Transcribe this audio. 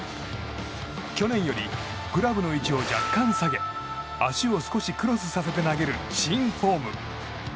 去年よりグラブの位置を若干下げ足を少しクロスさせて投げる新フォーム。